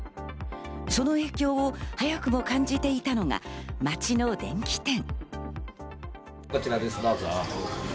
その影響を早くも感じていたのが街の電器店。